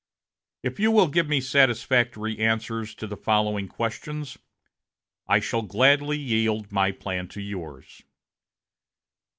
"If you will give me satisfactory answers to the following questions, I shall gladly yield my plan to yours.